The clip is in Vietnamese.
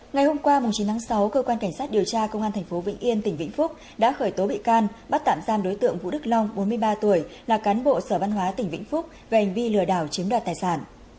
ngày hôm qua chín tháng sáu cơ quan cảnh sát điều tra công an tp vĩnh yên tỉnh vĩnh phúc đã khởi tố bị can bắt tạm giam đối tượng vũ đức long bốn mươi ba tuổi là cán bộ sở văn hóa tỉnh vĩnh phúc về hành vi lừa đảo chiếm đoạt tài sản